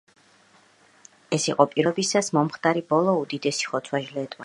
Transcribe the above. ეს იყო პირველი მსოფლიო ომის მსვლელობისას მომხდარი ბოლო უდიდესი ხოცვა-ჟლეტა.